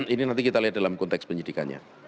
ini nanti kita lihat dalam konteks penyidikannya